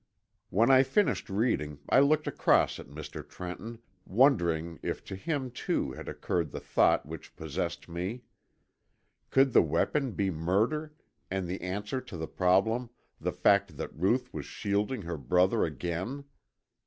When I finished reading I looked across at Mr. Trenton, wondering if to him too had occurred the thought which possessed me. Could the weapon be murder and the answer to the problem the fact that Ruth was shielding her brother again?